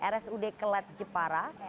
rsud kelet jepang